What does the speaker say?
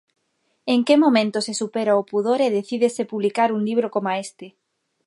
En que momento se supera o pudor e decídese publicar un libro coma este?